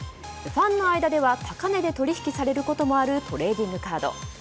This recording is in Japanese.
ファンの間では高値で取引されることもあるトレーディングカード。